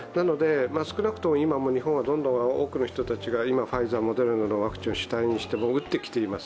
少なくとも今、日本はどんどん多くの人たちがファイザー、モデルナなワクチンを主体にして打ってきています。